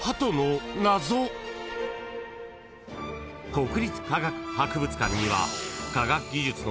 ［国立科学博物館には］